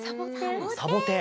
サボテン？